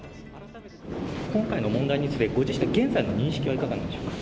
今回の問題について、ご自身の現在の認識はいかがでしょうか。